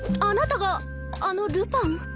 あなたがあのルパン？